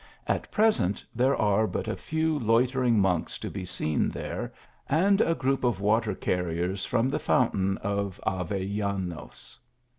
At present there are but a few loitering monks to be seen there, and a group of water carriers from the fountain of Avellanos.